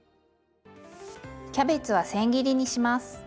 キャベツはせん切りにします。